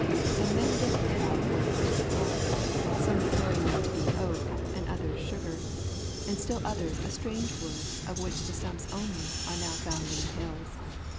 And men differ about what wood they are of, some declaring them to be oak and others sugar, and still others a strange wood of which the stumps only are now found in the Hills.